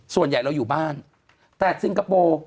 ส่วนใหญ่เราอยู่บ้านแต่ซิงคโปร์